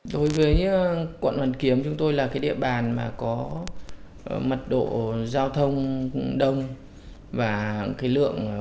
đối với quận hoàn kiếm chúng tôi là địa bàn có mặt độ giao thông đông